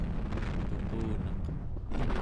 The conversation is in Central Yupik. tuquneq